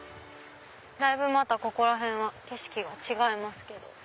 だいぶまたここら辺は景色が違いますけど。